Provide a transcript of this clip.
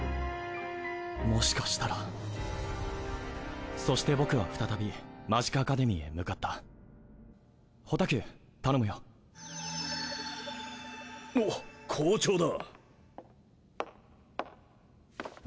もしかしたらそして僕は再びマジカアカデミーへ向かったホタキュー頼むよお校長だ